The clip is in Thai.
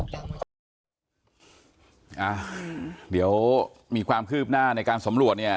อ่าเดี๋ยวมีความคืบหน้าในการสำรวจ